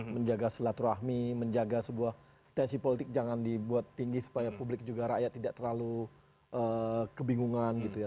menjaga silaturahmi menjaga sebuah tensi politik jangan dibuat tinggi supaya publik juga rakyat tidak terlalu kebingungan gitu ya